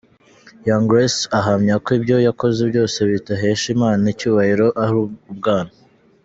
Young Grace ahamya ko ibyo yakoze byose bidahesha Imana icyubahiro ari ubwana.